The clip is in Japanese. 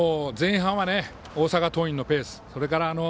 前半は大阪桐蔭のペース。